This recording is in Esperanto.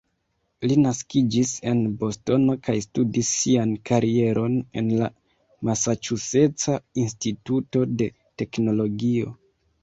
Li naskiĝis en Bostono kaj studis sian karieron en la Masaĉuseca Instituto de Teknologio.